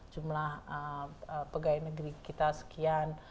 jumlah pegawai negeri kita sekian